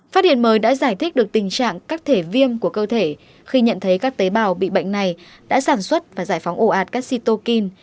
phát hiện mới đã giải thích được tình trạng các thể viêm của cơ thể khi nhận thấy các tế bào bị bệnh này đã sản xuất và giải phóng ổ ạt casitokin